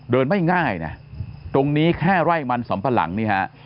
ไม่ง่ายนะตรงนี้แค่ไร่มันสำปะหลังนี่ฮะ